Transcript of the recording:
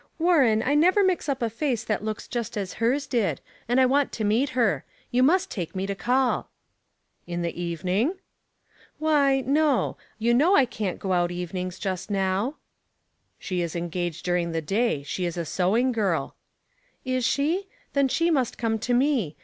" Warren, I never mix up a face that looks just as hers did ; and I want to meet her. You must take me to call." " In the evening ?" "Why, no; you know I don't go out even ings just now." " She is engaged during the day. She is a sewing girl." " Is she ? Then she must come to me.